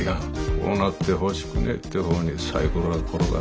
こうなってほしくねえって方にサイコロは転がるんだ。